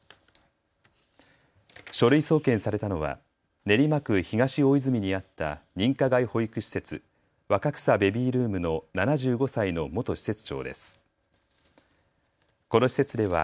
書類送検されたのは練馬区東大泉にあった認可外保育施設若草ベビールームの７５歳の元施設長です。